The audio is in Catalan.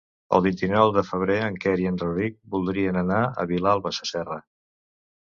El vint-i-nou de febrer en Quer i en Rauric voldrien anar a Vilalba Sasserra.